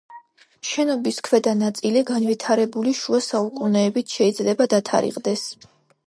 შენობის ქვედა ნაწილი განვითარებული შუა საუკუნეებით შეიძლება დათარიღდეს.